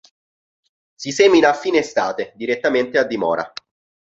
Si semina a fine estate direttamente a dimora.